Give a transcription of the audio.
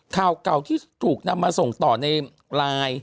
ข่าวเก่าที่ถูกนำมาส่งต่อในไลน์